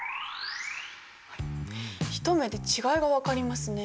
一目で違いが分かりますね。